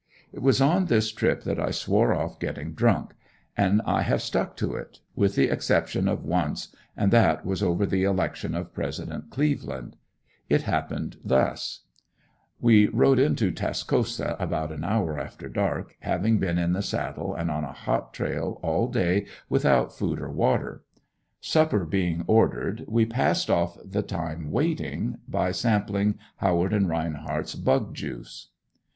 It was on this trip that I swore off getting drunk, and I have stuck to it with the exception of once and that was over the election of President Cleveland It happened thus: We rode into Tascosa about an hour after dark, having been in the saddle and on a hot trail all day without food or water. Supper being ordered we passed off the time waiting, by sampling Howard and Reinheart's bug juice.